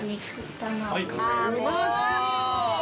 うまそう！